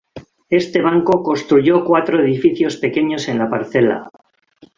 Este banco construyó cuatro edificios pequeños en la parcela.